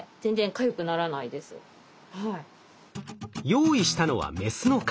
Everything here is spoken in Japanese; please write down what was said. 用意したのはメスの蚊。